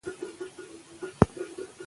ادبي ارزښتونه زموږ ټولنه نوره هم پیاوړې کوي.